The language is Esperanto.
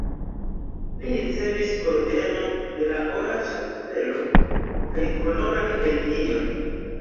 Li ricevis Ordenon de la Ora Ŝaffelo kaj Honoran legion.